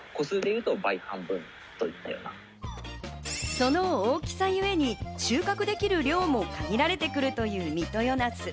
その大きさゆえに収穫できる量も限られてくるという三豊なす。